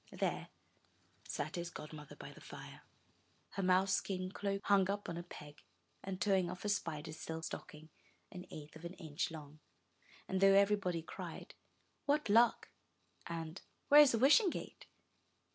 There sat his godmother 321 MY BOOK HOUSE by the fire, her mouse skin cloak hung up on a peg, and toeing off a spider's silk stocking an eighth of an inch long. And though everybody cried, *'What luck?'' and, * 'Where is the Wishing Gate?"